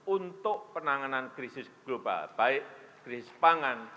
untuk penanganan krisis global baik krisis pangan